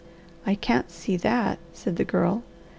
"I can't see that," said the Girl.